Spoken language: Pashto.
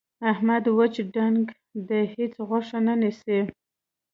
احمد وچ ډانګ دی. هېڅ غوښه نه نیسي.